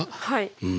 はい。